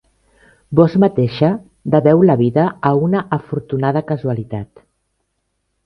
Vós mateixa deveu la vida a una afortunada casualitat.